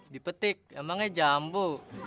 dipetik emangnya jambu